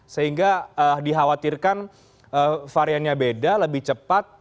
sehingga dikhawatirkan variannya beda lebih cepat